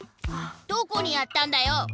どこにやったんだよ！